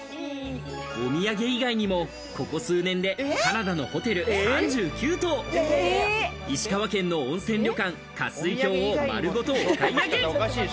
お土産以外にもここ数年でカナダのホテル３９棟、石川県の温泉旅館・佳水郷を丸ごとお買い上げ。